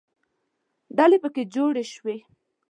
ډلې پکې جوړې شوې.